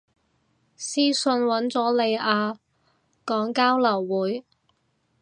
私訊搵咗你啊，講交流會